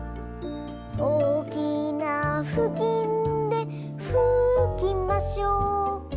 「おおきなふきんでふきましょう」